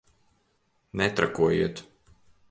Netrakojiet!